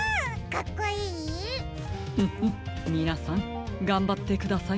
フフみなさんがんばってください。